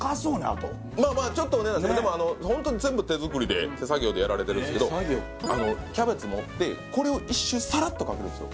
あとまあまあちょっとお値段するでもホントに全部手作りで手作業でやられてるんすけどキャベツ盛ってこれを一周さらっとかけるんすよ